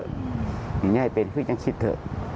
อยากให้เป็นก็ยังคิดเหอะ